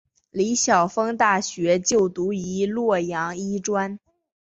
李晓峰大学就读于洛阳医专。